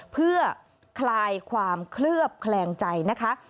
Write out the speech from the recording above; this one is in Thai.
เพื่อคลายความเคลือบแคลงใจนะคะ